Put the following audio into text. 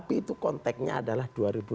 itu konteknya adalah dua ribu dua puluh empat